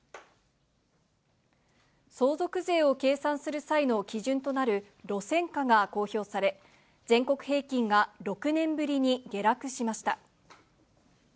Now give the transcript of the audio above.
相続税を計算する際の基準となる路線価が公表され、全国平均が６年ぶりに下落しました。